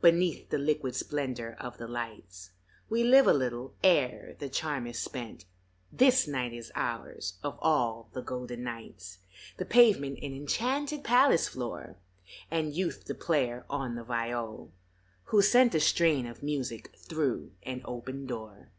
Beneath the liquid splendor of the lights We live a little ere the charm is spent; This night is ours, of all the golden nights, The pavement an enchanted palace floor, And Youth the player on the viol, who sent A strain of music thru an open door.